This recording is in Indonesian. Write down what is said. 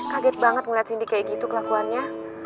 kaget banget ngeliat cindy kayak gitu kelakuannya